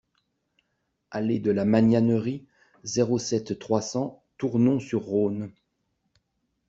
Allée de la Magnanerie, zéro sept, trois cents Tournon-sur-Rhône